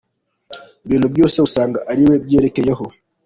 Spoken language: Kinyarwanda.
Ibintu byose usanga ari we byerekeyeho.